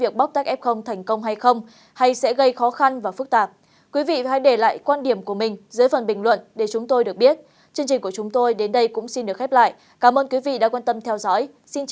cảm ơn quý vị đã quan tâm theo dõi